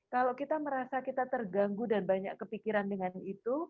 kalau kita merasa kita terganggu dan banyak kepikiran tersebut